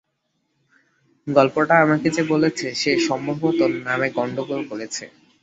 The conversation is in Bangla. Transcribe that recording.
গল্পটা আমাকে যে বলেছে, সে সম্ভবত নামে গণ্ডগোল করেছে।